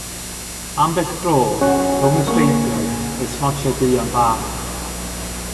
Ambell dro, rhwng y streipiau, roedd smotiau duon bach.